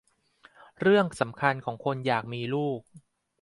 เรื่องสำคัญของคนอยากมีลูก